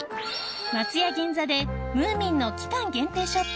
松屋銀座でムーミンの期間限定ショップ